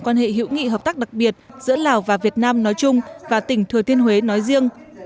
quan hệ hữu nghị hợp tác đặc biệt giữa lào và việt nam nói chung và tỉnh thừa thiên huế nói riêng